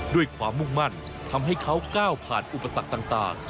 ด้วยความมุ่งมั่นทำให้เขาก้าวผ่านอุปสรรคต่าง